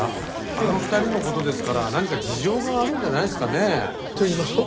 あの２人の事ですから何か事情があるんじゃないですかねえ。と言いますと？